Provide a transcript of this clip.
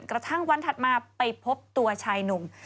กระทั่งวันถัดมาไปพบตัวชายหนุ่ม